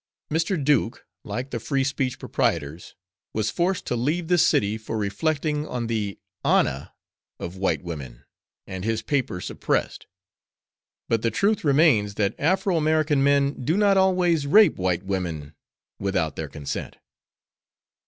Mr. Duke, like the Free Speech proprietors, was forced to leave the city for reflecting on the "honah" of white women and his paper suppressed; but the truth remains that Afro American men do not always rape(?) white women without their consent.